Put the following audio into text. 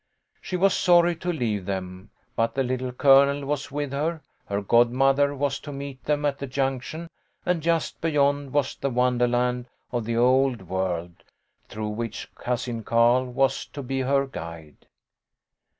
She was sorry to leave them, but the Little Colonel was with her, her godmother was to meet them at the junction, and just beyond was the wonderland of the old world, through which Cousin Carl was to be her guide.